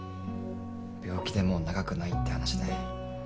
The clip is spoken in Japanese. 病気でもう長くないって話で。